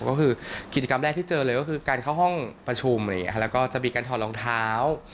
ก็คือกิจกรรมแรกที่เจอเลยก็คือการเข้าห้องประชุมอะไรอย่างนี้แล้วก็จะมีการถอดรองเท้า